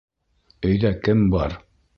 Өйҙә кем бар?